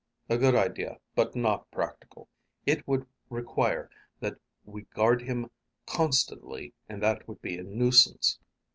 "A good idea, but not practical. It would require that we guard him constantly and that would be a nuisance.